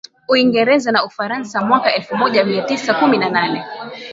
Uingereza na Ufaransa Mwaka elfumoja miatisa kumi na nane